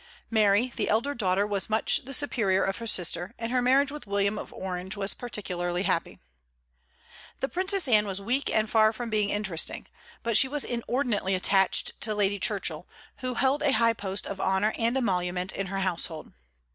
Mary, the elder daughter, was much the superior of her sister, and her marriage with William of Orange was particularly happy. The Princess Anne was weak and far from being interesting. But she was inordinately attached to Lady Churchill, who held a high post of honor and emolument in her household.